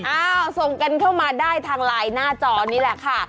อ้าวส่งกันเข้ามาได้ทางไลน์หน้าจอนี่แหละค่ะ